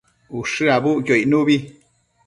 Ushë abucquio icnubi